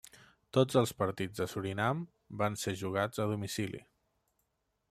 Tots els partits de Surinam van ser jugats a domicili.